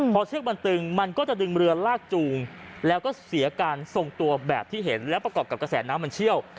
พอเชือกมันตึงมันก็จะดึงเรือลากจูงแล้วก็เสียการทรงตัวแบบที่เห็นและประกอบกับกระแสน้ำมันเชี่ยว